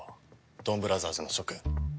ドンブラザーズの諸君。